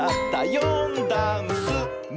「よんだんす」「め」！